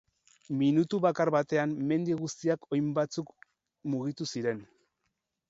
Minutu bakar batean mendi guztiak oin batzuk mugitu ziren.